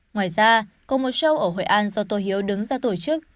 ngoài ra có một show ở hội an do tô hiếu đứng ra tổ chức